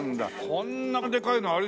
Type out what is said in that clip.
こんなでかいのにあれでしょ？